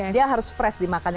dia harus fresh dimakannya